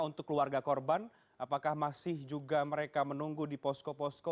untuk keluarga korban apakah masih juga mereka menunggu di posko posko